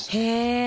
へえ。